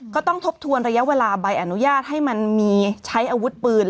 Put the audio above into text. ทบทวนระยะเวลาใบอนุญาตให้มันมีใช้อาวุธปืน